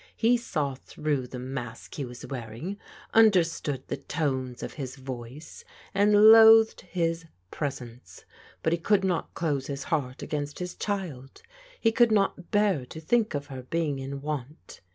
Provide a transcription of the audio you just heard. He saw through the mask he was wearing, understood the tones of his voice, and loathed his presence. But he could not close his heart against his child. He could not bear to think of her being in want.